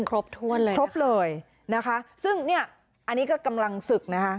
ครบถ้วนเลยครบเลยนะคะซึ่งเนี่ยอันนี้ก็กำลังศึกนะคะ